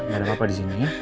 gak ada apa apa disini ya